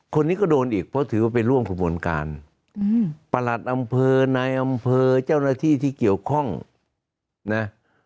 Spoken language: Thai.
คนนี้ก็โดนอีกเพราะถือว่าเป็นร่วมขบวนการประหลัดอำเภอนายอำเภอเจ้าหน้าที่ที่เกี่ยวข้องนะ